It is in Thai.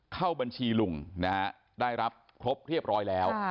เข้าบัญชีลุงนะฮะได้รับครบเรียบร้อยแล้ว